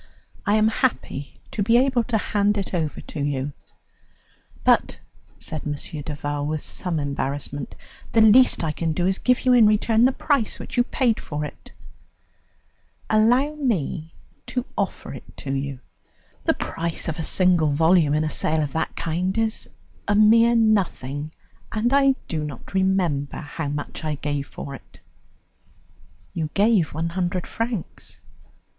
I am happy to be able to hand it over to you." "But," said M. Duval with some embarrassment, "the least I can do is to give you in return the price which you paid for it." "Allow me to offer it to you. The price of a single volume in a sale of that kind is a mere nothing, and I do not remember how much I gave for it." "You gave one hundred francs."